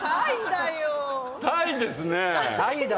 「タイ」ですね。